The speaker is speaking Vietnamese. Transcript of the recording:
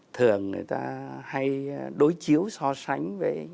thường người ta hay đối chiếu so sánh